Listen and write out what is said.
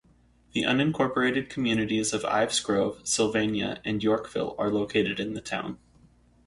The unincorporated communities of Ives Grove, Sylvania, and Yorkville are located in the town.